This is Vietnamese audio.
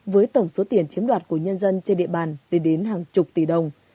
với tổng số tiền chiếm đoạt của nhân dân chơi địa bàn để đến hàng chục tỷ đồng